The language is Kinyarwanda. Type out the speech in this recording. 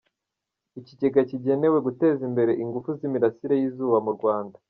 Ikigega kigenewe Guteza Imbere Ingufu z’Imirasire y’Izuba mu Rwanda.